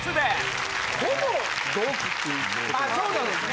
あそうなんですね。